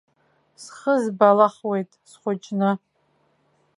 Схы збалахуеит схәыҷны.